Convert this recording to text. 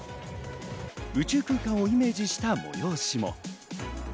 宇宙空間をイメージした催しも。